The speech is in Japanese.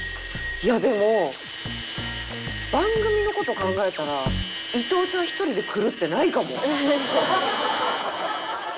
いやでも番組の事考えたら伊藤ちゃん一人で来るってないかも。